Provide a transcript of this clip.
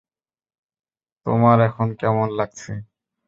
তোমার এখন কেমন লাগছে?